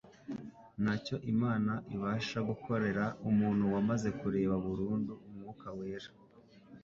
Ntacyo Imana ibasha Gukorera umuntu wamaze kureka burundu Umwuka wera.